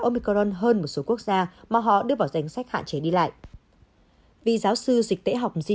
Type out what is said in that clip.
omicron hơn một số quốc gia mà họ đưa vào danh sách hạn chế đi lại vì giáo sư dịch tễ học di